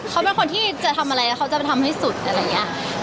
เขาเป็นคนที่จะทำอะไรแล้วเขาจะไปทำให้สุดอะไรอย่างนี้